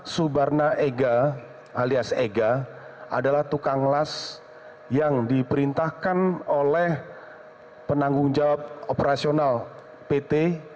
subarna ega alias ega adalah tukang las yang diperintahkan oleh penanggung jawab operasional pt